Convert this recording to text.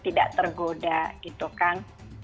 tidak tergoda gitu kan